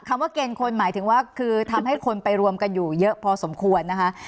ว่าเกณฑ์คนหมายถึงว่าคือทำให้คนไปรวมกันอยู่เยอะพอสมควรนะคะ